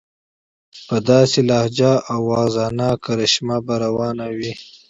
په داسې لهجه او واعظانه کرشمه به روان وي.